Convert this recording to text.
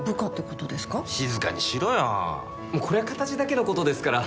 これは形だけのことですから。